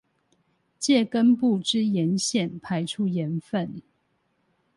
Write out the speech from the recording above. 藉根部之鹽腺排出鹽分